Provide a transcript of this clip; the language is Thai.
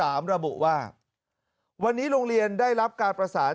ระบุว่าวันนี้โรงเรียนได้รับการประสาน